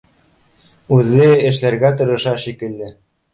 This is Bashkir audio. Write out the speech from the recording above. Үҙе эшләргә тырыша шикелле